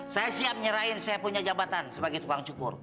saya siap nyerahin saya punya jabatan sebagai tukang cukur